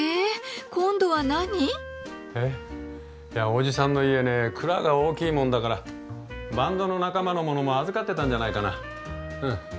おじさんの家ね蔵が大きいもんだからバンドの仲間のものも預かってたんじゃないかな。